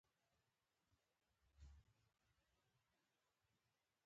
د انلاین لوبو کاروونکي ډېر شوي دي.